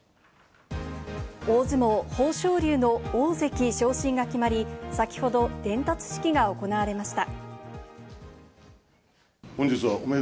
大相撲・豊昇龍の大関昇進が決まり、先ほど伝達式が行われました。